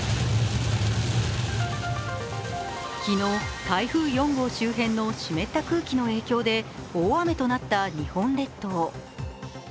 昨日、台風４号周辺の湿った空気の影響で大雨となった日本列島。